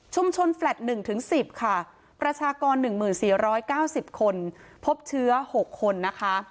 ชุมชนแฟลต๑๑๐ประชากร๑๔๙๐คนพบเชื้อ๖คน